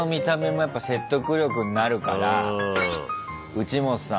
内本さん。